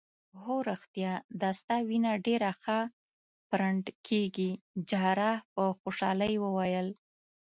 هو ریښتیا دا ستا وینه ډیره ښه پرنډ کیږي. جراح په خوشحالۍ وویل.